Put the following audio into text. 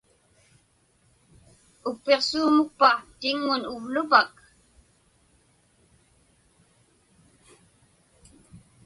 Uqpiksuuqpa tiŋŋun uvlupak?